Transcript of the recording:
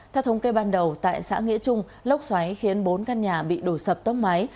theo thống kê ban đầu tại xã nghĩa trung lốc xoáy khiến bốn căn nhà bị đổ sập tốc máy